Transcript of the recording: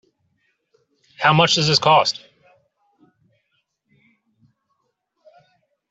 How much does this cost?